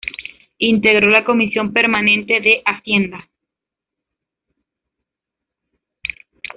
Integró la comisión permanente de Hacienda.